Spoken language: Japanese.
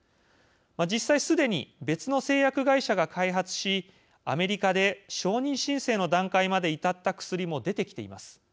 実際、すでに別の製薬会社が開発しアメリカで承認申請の段階まで至った薬も出てきています。